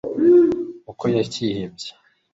uko yakihebye